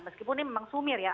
meskipun ini memang sumir ya